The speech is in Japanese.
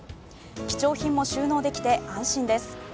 貴重品も収納できて安心です。